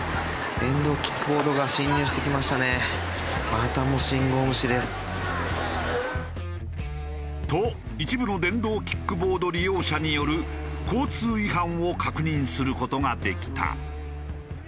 またも信号無視です。と一部の電動キックボード利用者による交通違反を確認する事ができた。